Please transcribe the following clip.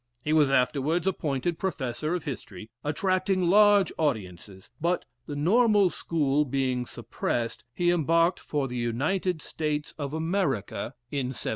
He was afterwards appointed Professor of History, attracting large audiences; but the Normal School being suppressed, he embarked for the United States of America, in 1795.